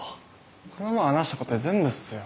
この前話したことで全部っすよ。